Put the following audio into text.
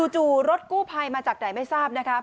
จู่รถกู้ภัยมาจากไหนไม่ทราบนะคะ